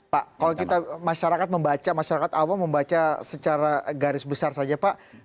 pak kalau kita masyarakat membaca masyarakat awam membaca secara garis besar saja pak